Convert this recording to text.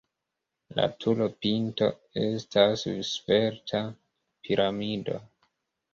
La turopinto estas svelta piramido.